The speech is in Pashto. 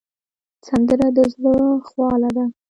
سندره د زړه خواله ده